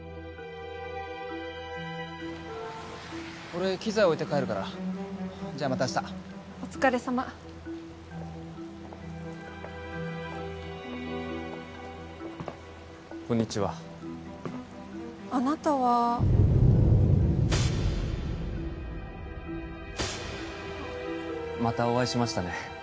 俺機材置いて帰るからじゃまた明日お疲れさまこんにちはあなたはまたお会いしましたね